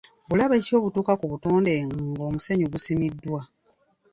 Bulabe ki obutuuka ku butonde ng'omusenyu gusimiddwa?